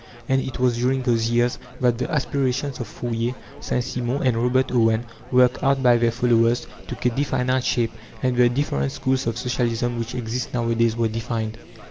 And it was during those years that the aspirations of Fourier, St. Simon, and Robert Owen, worked out by their followers, took a definite shape, and the different schools of Socialism which exist nowadays were defined.